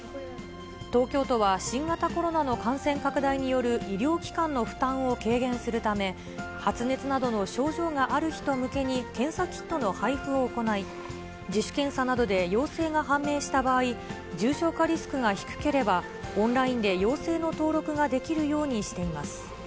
東京都は新型コロナの感染拡大による医療機関の負担を軽減するため、発熱などの症状がある人向けに検査キットの配付を行い、自主検査などで陽性が判明した場合、重症化リスクが低ければ、オンラインで陽性の登録ができるようにしています。